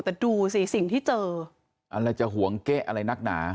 แต่ดูสิสิ่งที่เจออะไรจะห่วงเก๊ะอะไรนักหนา